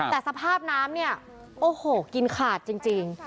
แต่สภาพน้ำเนี่ยโอ้โหกินขาดจริง